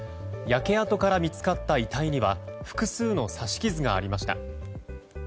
焼け跡から見つかった遺体には複数の刺し傷がありました。